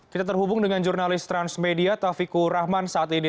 kita terhubung dengan jurnalis transmedia taufik kurahman saat ini